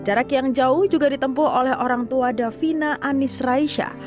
jarak yang jauh juga ditempuh oleh orang tua davina anis raisha